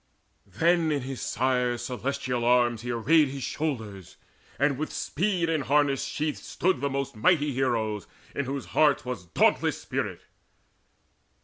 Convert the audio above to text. Then in his sire's celestial arms he arrayed His shoulders; and with speed in harness sheathed Stood the most mighty heroes, in whose healers Was dauntless spirit.